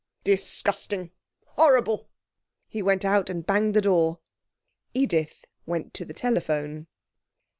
'Disgusting! Horrible!' He went out and banged the door. Edith went to the telephone.